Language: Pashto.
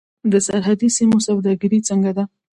د سرحدي سیمو سوداګري څنګه ده؟